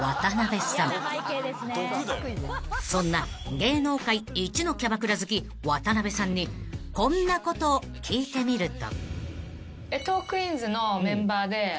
［そんな芸能界一のキャバクラ好き渡辺さんにこんなことを聞いてみると］